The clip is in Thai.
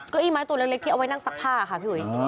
เก้าอี้ไม้ตัวเล็กที่เอาไว้นั่งซักผ้าค่ะพี่อุ๋ย